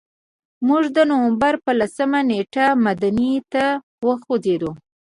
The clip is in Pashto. موږ د نوامبر په لسمه نېټه مدینې ته وخوځېدو.